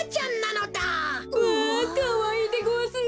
うわかわいいでごわすな！